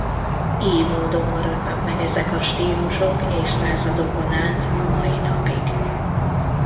Ily módon maradtak meg ezek a stílusok évszázadokon át a mai napig.